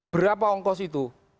berapa angkos itu